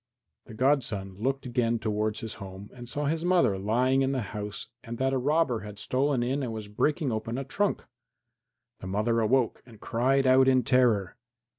The godson looked again towards his home and saw his mother lying in the house and that a robber had stolen in and was breaking open a trunk. The mother awoke and cried out in terror.